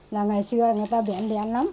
ngày xưa người ta đen đen lắm